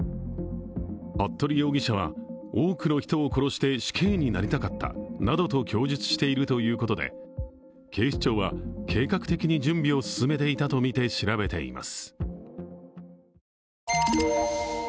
服部容疑者は多くの人を殺して死刑になりたかったなどと供述しているということで、警視庁は計画的に準備を進めていたとみて調べています。